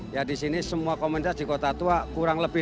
ya disini semua komunitas di kota tua kurang lebih dua ratus